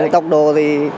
tốc độ thì